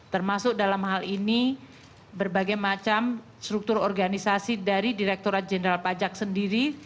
termasuk dalam hal ini berbagai macam struktur organisasi dari direkturat jenderal pajak sendiri